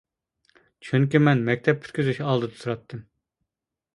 چۈنكى، مەن مەكتەپ پۈتكۈزۈش ئالدىدا تۇراتتىم.